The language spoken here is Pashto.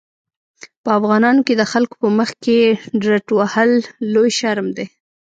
په افغانانو کې د خلکو په مخکې ډرت وهل لوی شرم دی.